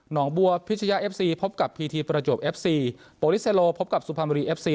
หนองบัวพิชยาเอฟซีพบกับพีทีประโยบเอฟซีโปรลิสเฮโรพบกับสุภัณฑ์บริษัทธิ์เอฟซี